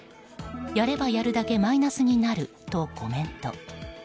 やればやるだけマイナスになるとコメント。